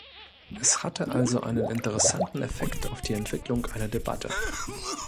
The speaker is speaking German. Es hatte also einen interessanten Effekt auf die Entwicklung einer Debatte.